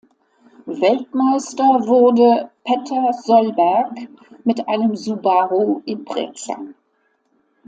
Weltmeister wurde Petter Solberg mit einem Subaru Impreza.